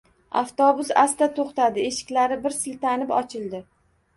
Avtobus asta to’xtadi, eshiklari bir siltanib, ochildi.